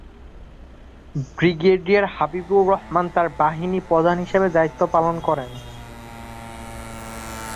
Brigadier Habibur Rahman তার বাহিনী প্রধান হিসাবে দায়িত্ব পালন করেন।